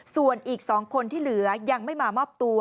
ส่วนอีก๒คนที่เหลือยังไม่มามอบตัว